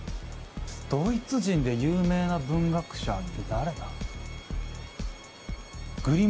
ドイツ人で有名な文学者って誰だ。